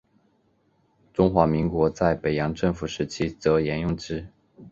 中华民国在北洋政府时期则沿用之。